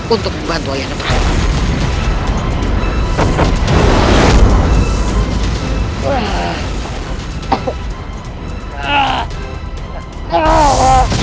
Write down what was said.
untuk membantu ayah anda perangus